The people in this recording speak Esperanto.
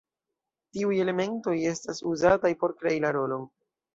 Tiuj elementoj estas uzataj por krei la rolon.